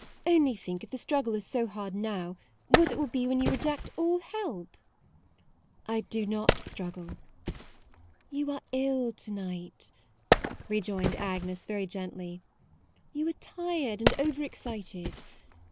Only think, if the struggle is so hard now, what it will be when you reject all help." MAUDE " I do not struggle." "You are ill to night," rejoined Agnes very gently, " you are tired and over excited.